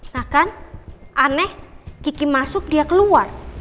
nah kan aneh kiki masuk dia keluar